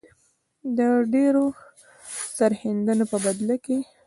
د ډیرو سرښندنو په بدله کې.